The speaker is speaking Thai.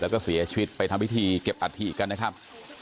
แล้วก็เสียชีวิตไปทำพิธีเก็บอัฐิกันนะครับ